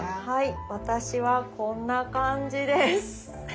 はい私はこんな感じです。